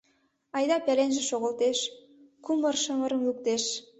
Айда пеленже шогылтеш, кумыр-шымырым луктеш.